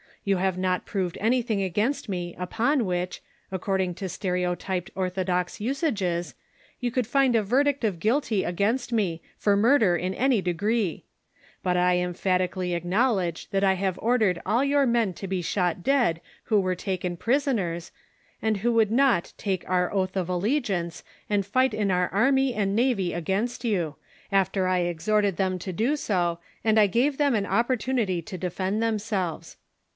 You have not proved anything against me upon which, according to stereotyped orthodox usages, you could find a verdict of guilty against me for murder in any degree ; but I emphatically acknowledge that I have ordered all your men to be shot dead who were taken prisoners, and wlio would not take our oath of allegiance and fight in our army and navy against you, after I exhorted them to do so, and gave them an opportunity to defend themselves.